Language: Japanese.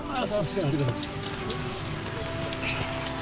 ありがとうございます。